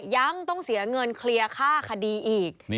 ยังต้องเสียเงินเคลียร์ค่าคดีอีก